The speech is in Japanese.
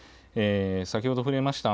先ほど触れました